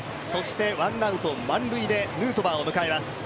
ワンアウト満塁でヌートバーを迎えます。